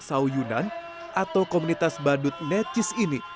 atau komunitas badut netsis ini